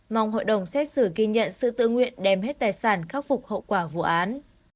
mong hội đồng xét xử ghi nhận sự tự nguyện đem hết tài sản khắc phục hậu quả vụ án